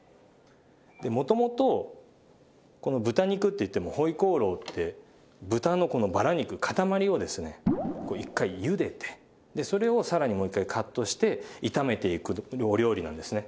で元々この豚肉といっても回鍋肉って豚のこのバラ肉かたまりをですねこう一回ゆでてでそれをさらにもう一回カットして炒めていくお料理なんですね。